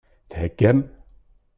Theggam?